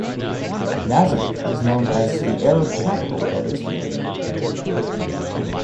Nazareth is known as "the Arab capital of Israel".